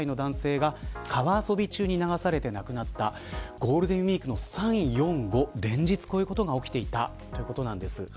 ゴールデンウイークの３、４、５連日こういうことが起きていたということなんです。